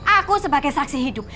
aku sebagai saksi hidup